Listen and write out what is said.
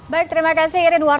baik terima kasih irin war